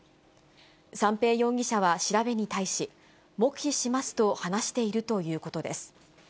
三瓶容疑者は調べに対し、黙秘しますと話しているということです。